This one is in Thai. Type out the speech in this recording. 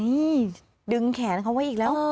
นี่ดึงแขนเขาไว้อีกแล้ว